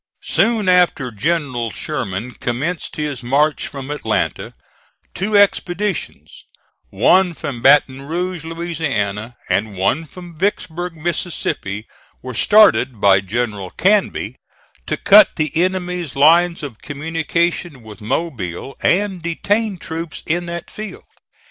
Soon after General Sherman commenced his march from Atlanta, two expeditions, one from Baton Rouge, Louisiana, and one from Vicksburg, Mississippi, were started by General Canby to cut the enemy's lines of communication with Mobile and detain troops in that field.